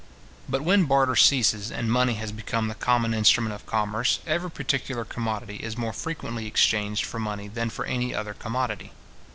But when barter ceases, and money has become the common instrument of commerce, every particular commodity is more frequently exchanged for money than for any other commodity.